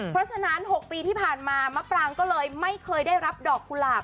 เพราะฉะนั้น๖ปีที่ผ่านมามะปรางก็เลยไม่เคยได้รับดอกกุหลาบ